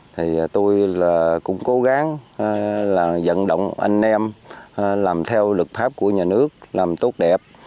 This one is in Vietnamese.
thì tôi là cũng cố gắng là dẫn động anh em làm theo lực pháp của nhà nước làm tốt đẹp